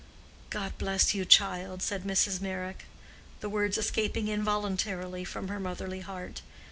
"God bless you, child!" said Mrs. Meyrick, the words escaping involuntarily from her motherly heart.